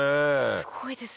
すごいですよね。